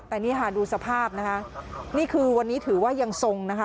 แต่นี่ค่ะดูสภาพนะคะนี่คือวันนี้ถือว่ายังทรงนะคะ